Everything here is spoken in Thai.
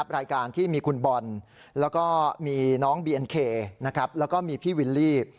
รายการที่มีคุณบอลแล้วก็มีน้องบีเอ็นเคแล้วก็มีพี่วิลลี่